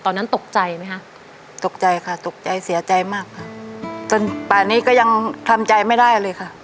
ตอนนั้นตกใจไหมคะตกใจค่ะตกใจเสียใจมากค่ะจนป่านนี้ก็ยังทำใจไม่ได้เลยค่ะ